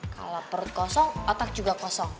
kalau perut kosong otak juga kosong